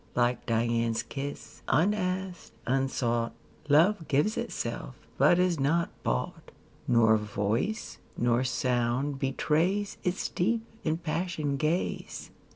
Like Dian's kiss, unasked, unsought, Love gives itself, but is not bought ; 15 Nor voice, nor sound betrays Its deep, impassioned ga/e.